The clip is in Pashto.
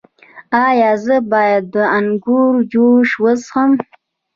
ایا زه باید د انګور جوس وڅښم؟